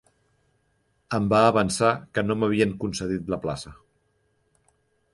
Em va avançar que no m'havien concedit la plaça.